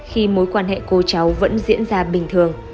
khi mối quan hệ cô cháu vẫn diễn ra bình thường